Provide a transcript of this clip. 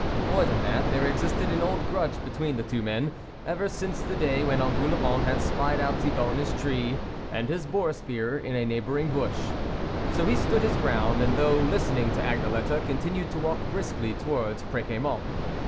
More than that, there existed an old grudge between the two men, ever since the day when Engoulevent had spied out Thibault in his tree, and his boar spear in a neighbouring bush. So he stood his ground, and though listening to Agnelette, continued to walk briskly to wards Preciamont.